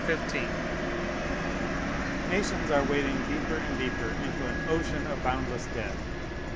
Nations are wading deeper and deeper into an ocean of boundless debt.